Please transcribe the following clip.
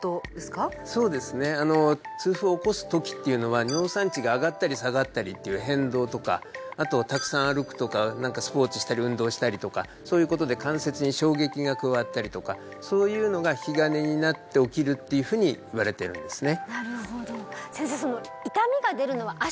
痛風を起こす時っていうのは尿酸値が上がったり下がったりっていう変動とかあとたくさん歩くとかスポーツしたり運動したりとかそういうことで関節に衝撃が加わったりとかそういうのが引き金になって起きるっていうふうにいわれているんですね